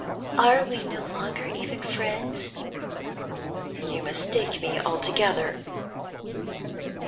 Are we no longer even friends?" "You mistake me altogether."